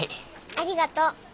ありがとう。